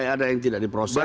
ada yang tidak diproses